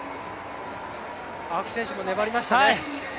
青木選手も粘りましたね。